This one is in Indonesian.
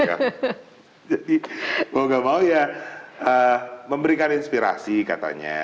jadi mau gak mau ya memberikan inspirasi katanya